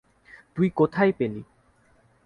তুই কোথায় পেলি?